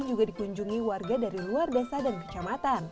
juga dikunjungi warga dari luar negara